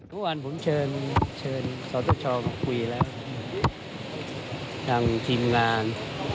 ทุกวันผมเชิญสอตชมาคุยแล้วทางทีมงาน